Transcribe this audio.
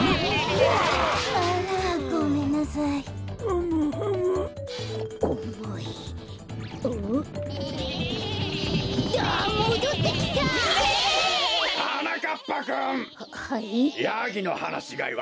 ヤギのはなしがいはこまるね。